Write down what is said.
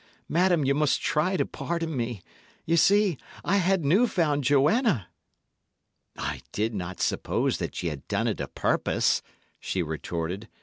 Madam, ye must try to pardon me. Ye see, I had new found Joanna!" "I did not suppose that ye had done it o' purpose," she retorted.